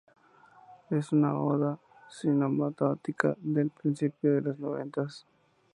Es una oda sintomática del principio de las noventas.